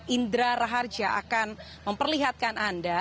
indra raharja akan memperlihatkan anda